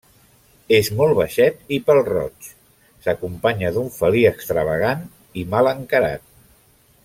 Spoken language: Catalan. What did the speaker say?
És molt baixet i pèl-roig, s'acompanya d'un felí extravagant i mal encarat.